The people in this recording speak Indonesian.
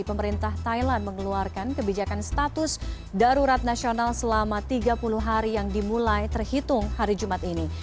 pemerintah thailand mengeluarkan kebijakan status darurat nasional selama tiga puluh hari yang dimulai terhitung hari jumat ini